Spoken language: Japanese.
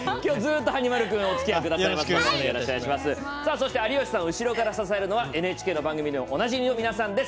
そして、有吉さんを後ろから支えるＮＨＫの番組でもおなじみの皆さんです。